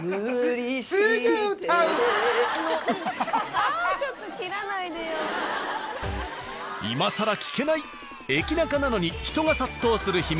ああちょっと今さら聞けないエキナカなのに人が殺到する秘密